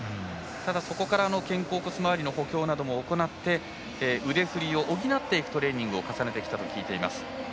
ただ、そこから肩甲骨周りの補強なども行って腕振りを補っていくトレーニングを重ねてきたと聞いています。